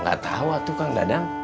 gak tau tuh kang dadang